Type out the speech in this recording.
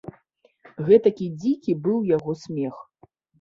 Гэтакі дзікі быў яго смех.